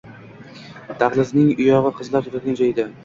Dahlizning uyogʻi qizlar turadigan joy edi.